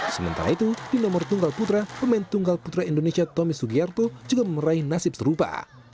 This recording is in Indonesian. sementara itu di nomor tunggal putra pemain tunggal putra indonesia tommy sugiarto juga meraih nasib serupa